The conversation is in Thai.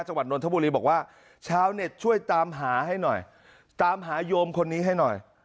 จังหวัดนทบุรีบอกว่าชาวเน็ตช่วยตามหาให้หน่อยตามหาโยมคนนี้ให้หน่อย